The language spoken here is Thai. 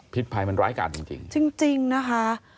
ภัยมันร้ายการจริงจริงนะคะ